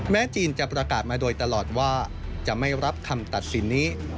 จีนจะประกาศมาโดยตลอดว่าจะไม่รับคำตัดสินนี้